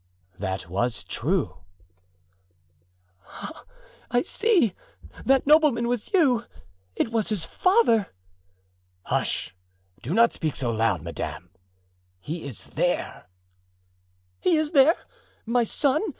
"That was true." "Ah! I see! That nobleman was you; it was his father!" "Hush! do not speak so loud, madame; he is there." "He is there! my son!